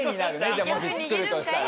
じゃあもし作るとしたら。